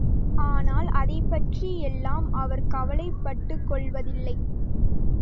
ஆனால் அதைப் பற்றி எல்லாம் அவர் கவலைப்பட்டுக்கொள்ளுவதில்லை.